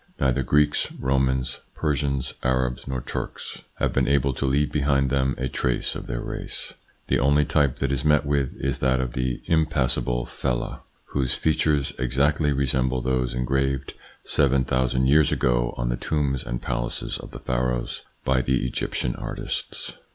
Neither Greeks, Romans, Persians, Arabs, nor Turks have been able to leave behind them a trace of their race. The only type that is met with is that of the impassible Fellah whose features exactly resemble those engraved seven thousand years ago on the tombs and palaces of the Pharaohs by the Egyptian artists.